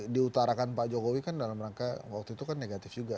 diutarakan pak jokowi kan dalam rangka waktu itu kan negatif juga